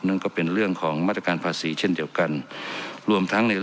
นั้นก็เป็นเรื่องของมาตรการภาษีเช่นเดียวกัน